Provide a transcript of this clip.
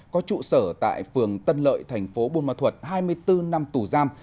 có trụ sở tại phường tân lợi thành phố buôn ma thuật hai mươi bốn năm tù giam